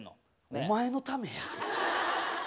お前のためや。